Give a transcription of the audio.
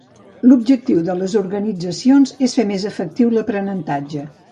L'objectiu de les organitzacions és fer més efectiu l'aprenentatge.